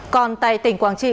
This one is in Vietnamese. còn tại tỉnh quảng trị